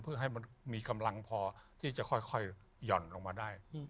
เพื่อให้มันมีกำลังพอที่จะค่อยหย่อนลงมาได้